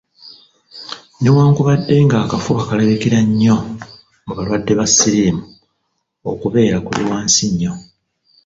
Newankubadde ng’akafuba kalabikira nnyo mu balwadde ba siriimu, okubeera kuli wansi nnyo.